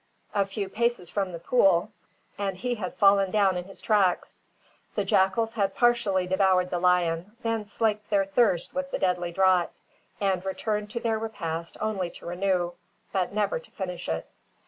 A few paces from the pool, and he had fallen down in his tracks. The jackals had partially devoured the lion, then slaked their thirst with the deadly draught, and returned to their repast only to renew, but never to finish it.